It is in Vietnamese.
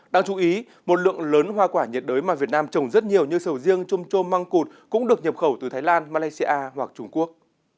đáng chú ý một lượng lớn hoa quả nhiệt đới mà việt nam trồng rất nhiều như sầu riêng trôm trôm măng cụt cũng được nhập khẩu từ thái lan malaysia hoặc trung quốc